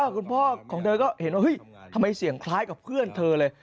คุณพ่อของเธอก็เห็นว่าเฮ้ยทำไมเสียงคล้ายกับเพื่อนเธอเลย